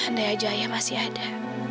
andai aja ayah masih ada